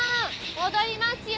戻りますよ！